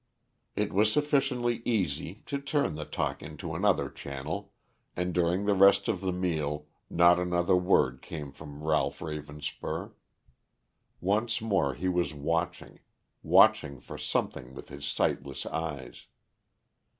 It was sufficiently easy to turn the talk into another channel, and during the rest of the meal not another word came from Ralph Ravenspur. Once more he was watching, watching for something with his sightless eyes.